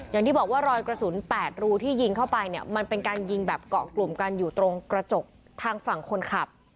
อย่างที่บอกว่ารอยกระสุน๘รูที่ยิงเข้าไปเนี่ยมันเป็นการยิงแบบเกาะกลุ่มกันอยู่ตรงกระจกทางฝั่งคนขับ